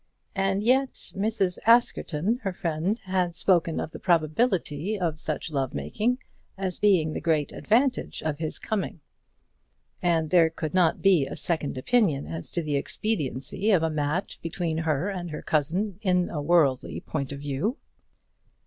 And yet Mrs. Askerton, her friend, had spoken of the probability of such love making as being the great advantage of his coming. And there could not be a second opinion as to the expediency of a match between her and her cousin in a worldly point of view.